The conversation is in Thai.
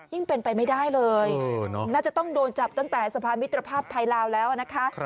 เป็นไปไม่ได้เลยน่าจะต้องโดนจับตั้งแต่สะพานมิตรภาพไทยลาวแล้วนะคะ